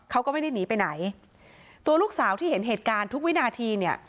เขาก็ไม่ได้หนีไปไหนตัวลูกสาวที่เห็นเหตุการณ์ทุกวินาทีเนี่ย